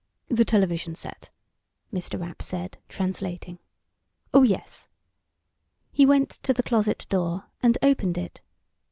"The television set," Mr. Rapp said, translating. "Oh, yes." He went to the closet door and opened it.